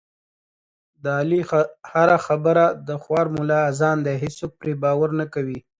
د علي هره خبره د خوار ملا اذان دی، هېڅوک پرې باور نه کوي.